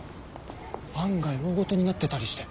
案外大ごとになってたりして。